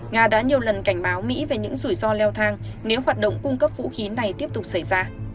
nga đã nhiều lần cảnh báo mỹ về những rủi ro leo thang nếu hoạt động cung cấp vũ khí này tiếp tục xảy ra